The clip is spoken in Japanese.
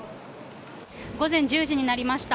午前１０時になりました。